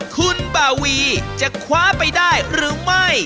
คุณบาวีจะคว้าไปได้หรือไม่